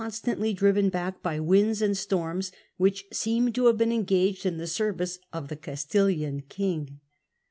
stantly driven back by winds and storms, which seemed to have been engaged in the service of the Castilian king.